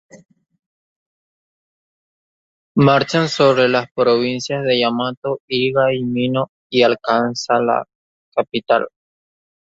Marchan sobre las provincias de Yamato, Iga y Mino y alcanzan la capital.